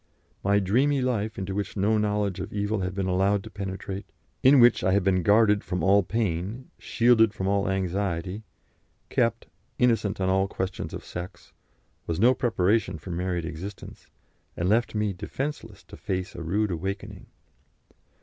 My dreamy life, into which no knowledge of evil had been allowed to penetrate, in which I had been guarded from all pain, shielded from all anxiety, kept, innocent on all questions of sex, was no preparation for married existence, and left me defenceless to face a rude awakening.